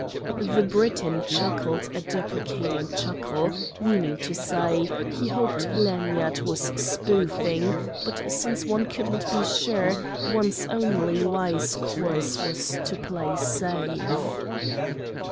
The Briton chuckled a deprecating chuckle; meaning to say, he hoped Lanyard was spoofing; but since one couldn't be sure, one's only wise course was to play safe.